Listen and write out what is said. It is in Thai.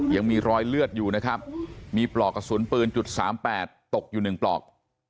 ยังมีรอยเลือดอยู่นะครับมีปลอกกระสุนปืน๓๘ตกอยู่๑ปลอก